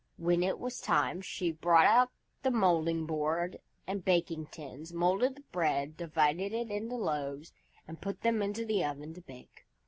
When it was time she brought out the moulding board and the baking tins, moulded the bread, divided it into loaves, and put them into the oven to bake.